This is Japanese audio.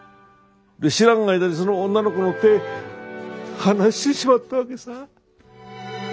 知らん間にその女の子の手離してしまったわけさ。